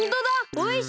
おいしい！